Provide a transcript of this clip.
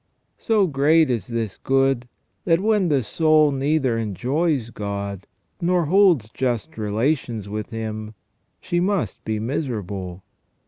So great is this good, that when the soul neither enjoys God, nor holds just relations with Him, she must be miserable.